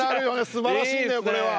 すばらしいんだよこれは。